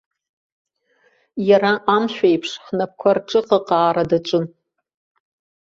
Иара амшә аиԥш ҳнапқәа рҿыҟаҟаара даҿын!